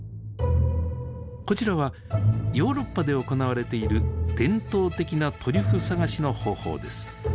こちらはヨーロッパで行われている伝統的なトリュフ探しの方法です。